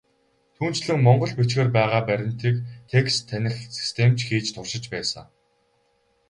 Түүнчлэн, монгол бичгээр байгаа баримтыг текст таних систем ч хийж туршиж байсан.